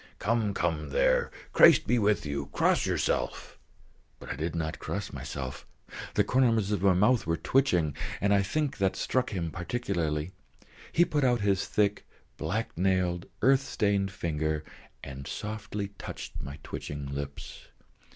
"Come, come, there; Christ be with you! Cross yourself!" But I did not cross myself. The corners of my mouth were twitching, and I think that struck him particularly. He put out his thick, black nailed, earth stained finger and softly touched my twitching lips.